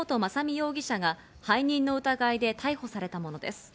雅巳容疑者が背任の疑いで逮捕されたものです。